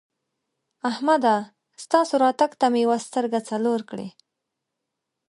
احمده! ستاسو راتګ ته مې یوه سترګه څلور کړې.